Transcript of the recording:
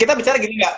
kita bicara gitu ya